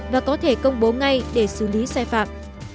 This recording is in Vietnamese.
và có thể công bố ngay để xử lý sai phạm